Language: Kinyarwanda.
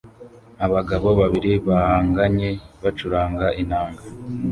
Abagabo babiri bahanganye bacuranga inanga